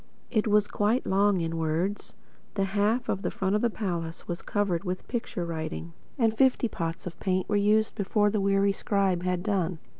It was quite long in words. The half of the palace front was covered with picture writing, and fifty pots of paint were used, before the weary scribe had done.